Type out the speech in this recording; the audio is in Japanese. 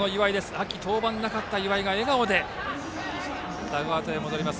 秋登板がなかった岩井が笑顔でダグアウトに戻ります。